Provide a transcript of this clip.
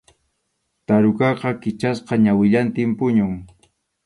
Tarukaqa kichasqa ñawillantin puñun.